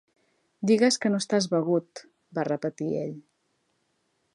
"Digues que no estàs begut", va repetir ell.